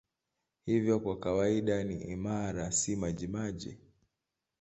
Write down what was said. Hivyo kwa kawaida ni imara, si majimaji.